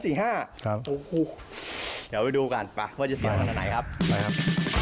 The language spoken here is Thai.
เดี๋ยวเอาไปดูก่อนป่ะว่าจะเสียบันตัวไหนครับ